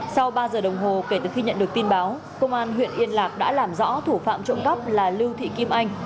sau ba giờ đồng hồ kể từ khi nhận được tin báo công an huyện yên lạc đã làm rõ thủ phạm trộm cắp là lưu thị kim anh